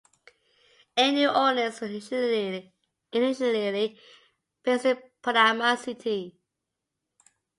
Air New Orleans was initially based in Panama City.